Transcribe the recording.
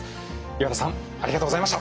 岩田さんありがとうございました。